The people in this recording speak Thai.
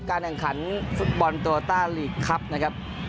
การแข่งขันฟุตบอลโตต้าลีกครับนะครับ